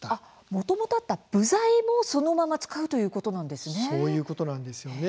もともとあった部材もそのまま使うそういうことなんですよね。